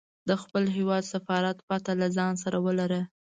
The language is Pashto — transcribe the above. د خپل هیواد سفارت پته له ځانه سره ولره.